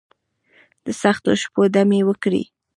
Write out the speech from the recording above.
دسختو شپو، دمې وکړي